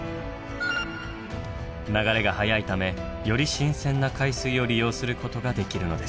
流れが速いためより新鮮な海水を利用することができるのです。